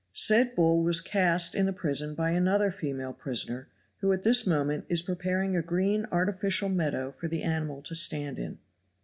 Said bull was cast in the prison by another female prisoner who at this moment is preparing a green artificial meadow for the animal to stand in.